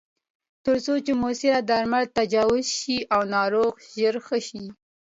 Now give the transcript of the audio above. ترڅو موثره درمل تجویز شي او ناروغ ژر ښه شي.